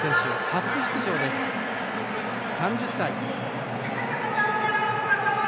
初出場、３０歳。